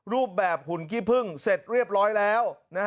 รูปแบบหุ่นขี้พึ่งเสร็จเรียบร้อยแล้ว